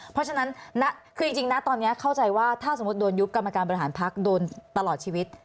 เพราะฉะนั้นคือจริงนะตอนนี้เข้าใจว่าถ้าสมมุติโดนยุบกรรมการบริหารพักโดนตลอดชีวิต